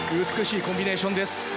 美しいコンビネーションです。